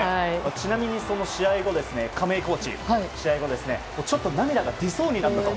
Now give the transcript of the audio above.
ちなみに試合後、亀井コーチちょっと涙が出そうになったと。